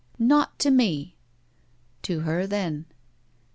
"Not to me." To her, then."